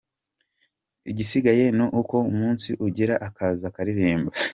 Igisigaye ni uko umunsi ugera akaza akaririmba.